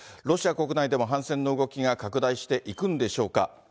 ロシア国内でも反戦の動きが拡大していくんでしょうか。